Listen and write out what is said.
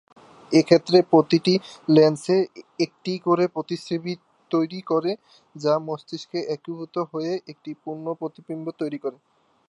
এক্ষেত্রে প্রতিটি লেন্স একটি করে প্রতিচ্ছবি তৈরি করে, যা মস্তিষ্কে একীভূত হয়ে একটি পূর্ণ প্রতিবিম্ব তৈরি করে।